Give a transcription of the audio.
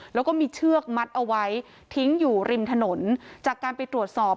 แล้วก็มีเชือกมัดเอาไว้ทิ้งอยู่ริมถนนจากการไปตรวจสอบ